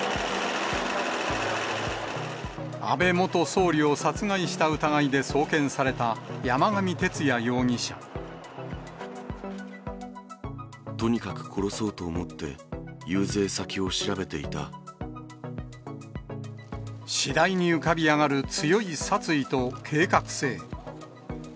安倍元総理を殺害した疑いで送検とにかく殺そうと思って、次第に浮かび上がる強い殺意と計画性。